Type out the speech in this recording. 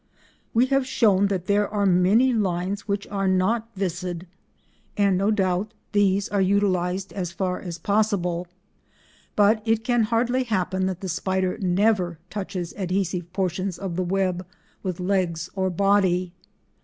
We have shown that there are many lines which are not viscid, and no doubt these are utilised as far as possible, but it can hardly happen that the spider never touches adhesive portions of the web with legs or body.